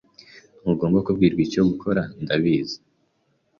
Ntugomba kumbwira icyo gukora. Ndabizi.